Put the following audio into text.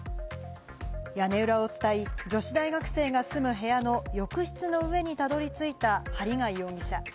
屋根裏を伝い、女子大学生が住む部屋の浴室の上にたどり着いた針谷容疑者。